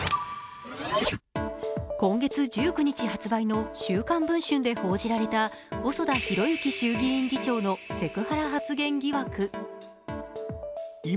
今月１９日発売の「週刊文春」で報じられた細田博之衆議院議長のセクハラ発言疑惑。